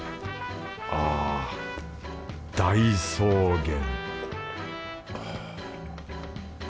ああ大草原